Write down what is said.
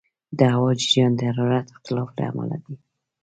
د هوا جریان د حرارت اختلاف له امله دی.